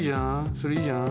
それいいじゃん。